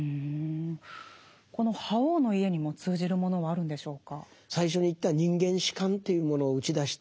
この「覇王の家」にも通じるものがあるんでしょうか？